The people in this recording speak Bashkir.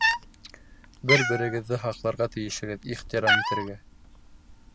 Бер-берегеҙҙе һаҡларға тейешһегеҙ, ихтирам итергә!